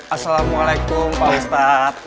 assalamualaikum pak ustadz